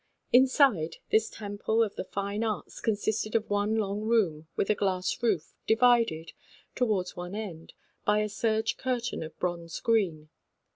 Inside this temple of the fine arts consisted of one long room with a glass roof, divided, toward one end, by a dingy serge curtain of bronze green.